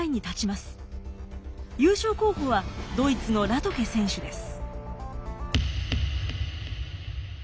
優勝候補はドイツのラトケ選手です。